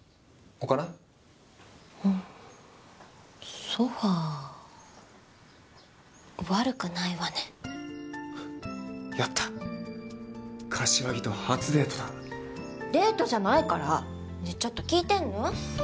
ほうソファー悪くないわねやった柏木と初デートだデートじゃないからねぇちょっと聞いてんの？